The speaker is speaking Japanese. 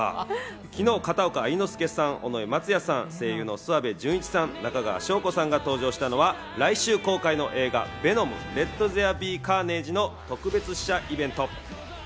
昨日、片岡愛之助さん、尾上松也さん、声優の諏訪部順一さん、中川翔子さんが登場したのは来週公開の映画『ヴェノム：レット・ゼア・ビー・カーネイジ』の特別試写イベント。